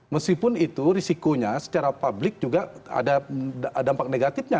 meskipun itu risikonya secara publik juga ada dampak negatifnya